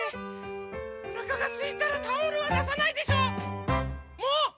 おなかがすいたらタオルはださないでしょ！もうっ！